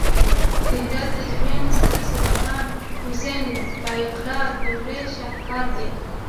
د هرات د جمعې مسجد د سلطان حسین بایقرا دورې شاهکار دی